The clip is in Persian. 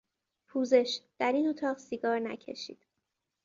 پوزش، در این اتاق سیگار نکشید!